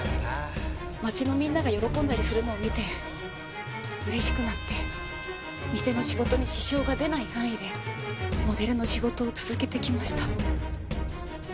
街のみんなが喜んだりするのを見て嬉しくなって店の仕事に支障が出ない範囲でモデルの仕事を続けてきました。